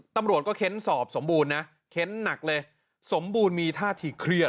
ตำรวจก็เค้นสอบสมบูรณ์นะเค้นหนักเลยสมบูรณ์มีท่าทีเครียด